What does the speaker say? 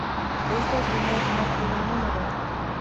Estas líneas no tienen número.